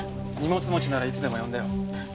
荷物持ちならいつでも呼んでよ。